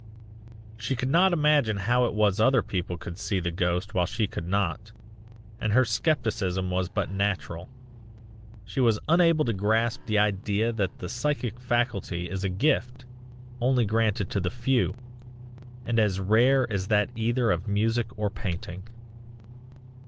"She could not imagine how it was other people could see the ghost while she could not. And her scepticism was but natural; she was unable to grasp the idea that the psychic faculty is a gift, only granted to the few, and as rare as that either of music or painting.